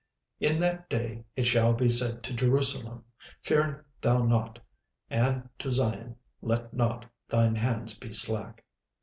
36:003:016 In that day it shall be said to Jerusalem, Fear thou not: and to Zion, Let not thine hands be slack.